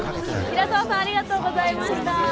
平澤さんありがとうございました。